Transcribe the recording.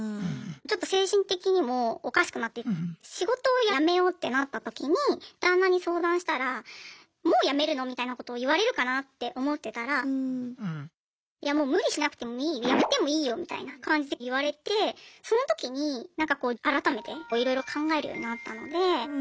ちょっと精神的にもおかしくなって仕事を辞めようってなった時に旦那に相談したらもう辞めるの？みたいなことを言われるかなって思ってたらいやもう無理しなくてもいい辞めてもいいよみたいな感じで言われてその時になんかこう改めていろいろ考えるようになったので。